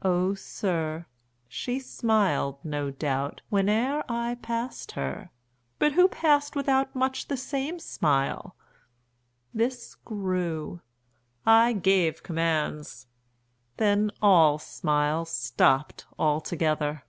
Oh, sir, she smiled, no doubt, Whene'er I passed her; but who passed without Much the same smile? This grew; I gave commands; 45 Then all smiles stopped together.